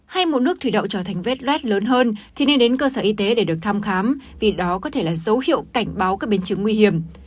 hay muốn nước thủy đậu trở thành vết luet lớn hơn thì nên đến cơ sở y tế để được thăm khám vì đó có thể là dấu hiệu cảnh báo các biến chứng nguy hiểm